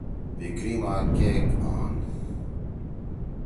بِکری ما کیک آن۔